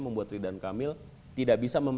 membuat ridwan kamil tidak bisa